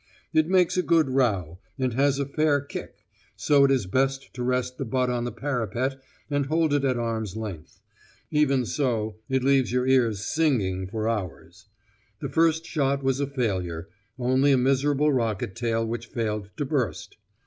It makes a good row, and has a fair kick, so it is best to rest the butt on the parapet and hold it at arm's length. Even so it leaves your ears singing for hours. The first shot was a failure only a miserable rocket tail which failed to burst.